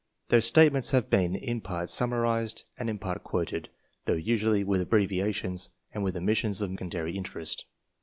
Their statements have been in part summarized and in part quoted, though usually with abbreviations and with omissions of matters of secondary interest.